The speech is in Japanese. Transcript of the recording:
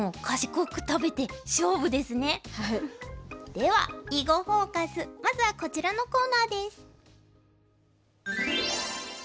では「囲碁フォーカス」まずはこちらのコーナーです。